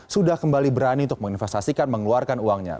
sudah kembali berani untuk menginvestasikan mengeluarkan uangnya